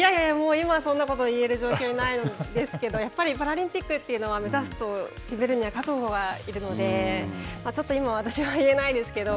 今はそんなこと言える状況にないんですけれども、やっぱりパラリンピックというのは、目指すと決めるには、覚悟がいるので、ちょっと今は私は言えないですけど。